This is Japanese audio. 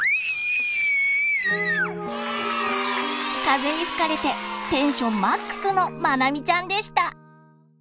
風に吹かれてテンションマックスのまなみちゃんでした。